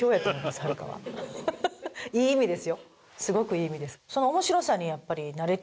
すごくいい意味です。